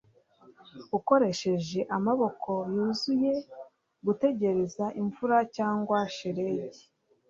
Ukoresheje amaboko yuzuye gutegereza imvura cyangwa shelegi